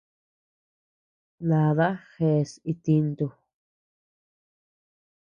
Dada jeas itintu.